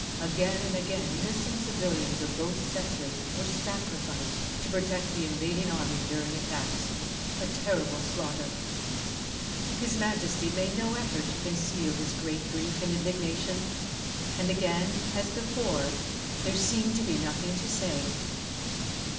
Again and again innocent civilians of both sexes were sacrificed to protect the invading army during attacks. A terrible slaughter!" His Majesty made no effort to conceal his great grief and indignation. And again, as before, there seemed to be nothing to say.